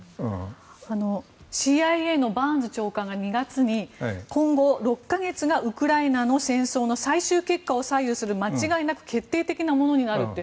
ＣＩＡのバーンズ長官が２月に今後、６か月がウクライナの戦争の最終結果を左右する間違いなく決定的なものになるって。